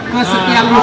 ke setiak kawanan